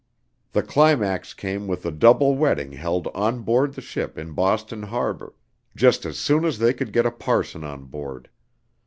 The climax came with the double wedding held on board the ship in Boston Harbor just as soon as they could get a parson on board.